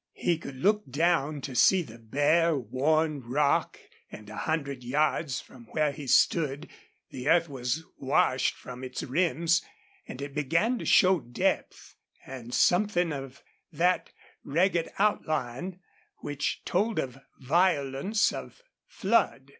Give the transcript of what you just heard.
He could look down to see the bare, worn rock, and a hundred yards from where he stood the earth was washed from its rims and it began to show depth and something of that ragged outline which told of violence of flood.